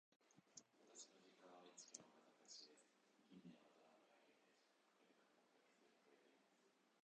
私の実家は愛知県岡崎市です。近年はドラマや有名人のおかげで観光客数が増えています。